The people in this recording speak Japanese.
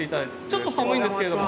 ちょっと寒いんですけれども。